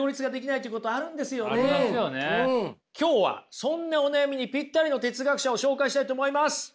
今日はそんなお悩みにぴったりの哲学者を紹介したいと思います。